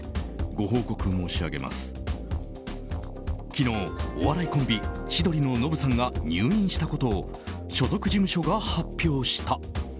昨日、お笑いコンビ千鳥のノブさんが入院したことを所属事務所が発表した。